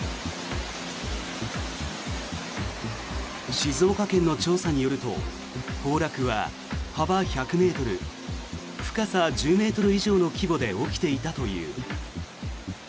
静岡県の調査によると崩落は幅１００ｍ深さ１０ｍ以上の規模で起きていたという。